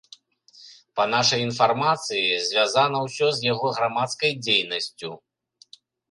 Па нашай інфармацыі, звязана ўсё з яго грамадскай дзейнасцю.